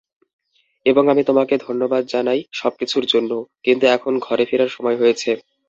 এবং আমি তোমাকে ধন্যবাদ জানাই সবকিছুর জন্য, কিন্তু এখন ঘরে ফেরার সময় হয়েছে।